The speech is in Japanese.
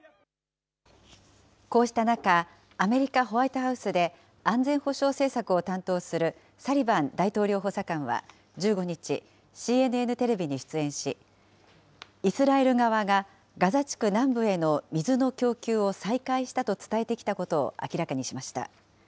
こうした中、アメリカ・ホワイトハウスで安全保障政策を担当するサリバン大統領補佐官は１５日、ＣＮＮテレビに出演し、イスラエル側がガザ地区南部への水の供給を再開したと伝えてきたことを明らかにしました。